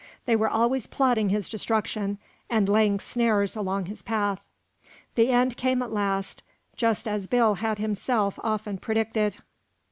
They were always plotting his destruction and laying snares along his path. The end came at last, just as Bill had himself often predicted.